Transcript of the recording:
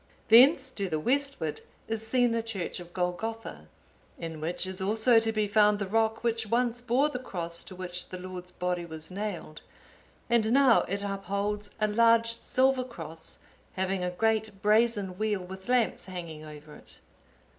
Thence, to the westward, is seen the church of Golgotha, in which is also to be found the rock which once bore the Cross to which the Lord's body was nailed, and now it upholds a large silver cross, having a great brazen wheel with lamps hanging over it.